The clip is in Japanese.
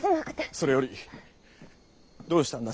それよりどうしたんだ